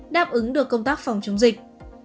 đáp ứng được công tác phòng chống dịch